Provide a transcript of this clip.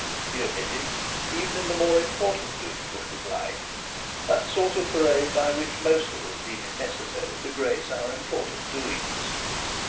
He omitted, even in the more important doings of his life, that sort of parade by which most of us deem it necessary to grace our important doings.